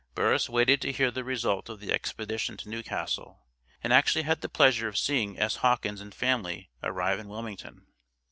Burris waited to hear the result of the expedition to New Castle; and actually had the pleasure of seeing S. Hawkins and family arrive in Wilmington.